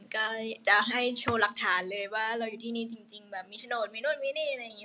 ก็จะให้โชว์หลักฐานเลยว่าเราอยู่ที่นี่จริงแบบมีโฉนดมีนู่นมีนี่อะไรอย่างนี้